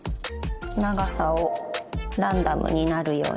長さをランダムになるように考えます。